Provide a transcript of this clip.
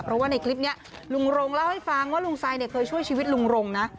เพราะว่าในคลิปนี้ลุงรงเล่าให้ฟังว่าลุงไซดเคยช่วยชีวิตลุงรงนะ